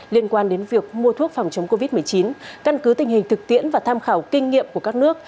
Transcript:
liên quan đến việc mua thuốc phòng chống covid một mươi chín căn cứ tình hình thực tiễn và tham khảo kinh nghiệm của các nước